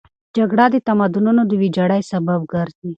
جګړه د تمدنونو د ویجاړۍ سبب ګرځي.